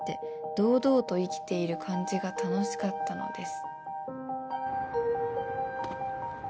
「堂々と生きている感じが楽しかったのです」